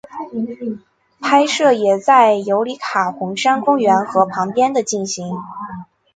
拍摄也在尤里卡红杉公园和旁边的进行。